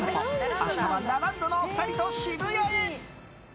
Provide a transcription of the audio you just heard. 明日はラランドのお二人と渋谷へ。